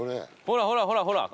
ほらほらほらほら